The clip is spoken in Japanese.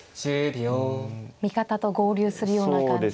味方と合流するような感じで。